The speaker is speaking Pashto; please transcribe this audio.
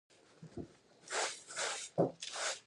ازادي راډیو د کډوال په اړه د نړیوالو رسنیو راپورونه شریک کړي.